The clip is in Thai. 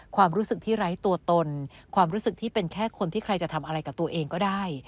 ความรู้สึกที่ไร้ตัวตนความรู้สึกที่เป็นแค่คนที่ใครจะทำอะไรกับตัวเองก็ได้